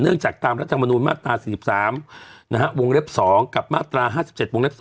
จากตามรัฐมนุนมาตรา๔๓วงเล็บ๒กับมาตรา๕๗วงเล็บ๒